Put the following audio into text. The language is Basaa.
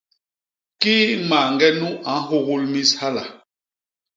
Kii mañge nu a nhugul mis hala!